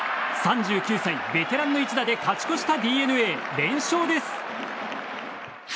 ３９歳、ベテランの一打で勝ち越したＤｅＮＡ連勝です。